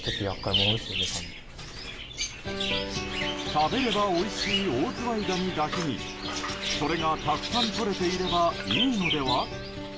食べればおいしいオオズワイガニだけにそれが、たくさんとれていればいいのでは？